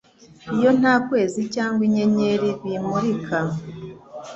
iyo nta kwezi cyangwa inyenyeri bimurika.